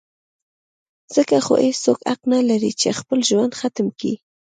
ځکه خو هېڅوک حق نه لري چې خپل ژوند ختم کي.